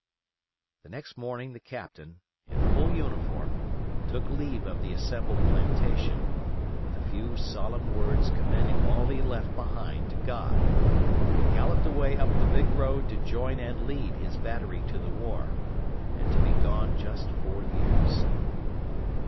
The next morning the Captain, in full uniform, took leave of the assembled plantation, with a few solemn words commending all he left behind to God, and galloped away up the big road to join and lead his battery to the war, and to be gone just four years.